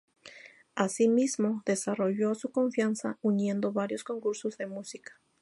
Asimismo, desarrolló su confianza uniendo varios concursos de música.